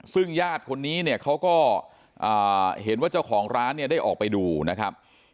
ซึ่งญาติคนนี้เนี่ยเขาก็เห็นว่าเจ้าของร้านเนี่ยได้ออกไปดูนะครับ